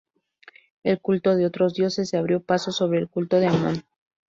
El culto de otros dioses se abrió paso sobre el culto de Amón.